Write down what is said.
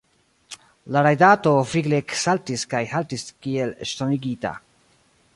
La rajdato vigle eksaltis kaj haltis kiel ŝtonigita.